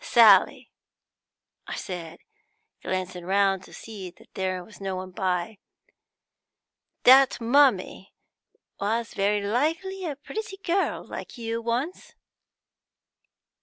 'Sally,' I said, glancing round to see that there was no one by, 'that mummy was very likely a pretty girl like you, once.'